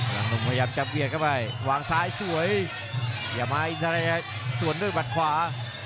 พลังหนุ่มพยายามจับเวียดเข้าไปวางซ้ายสวยอย่ามาส่วนด้วยบัดขวา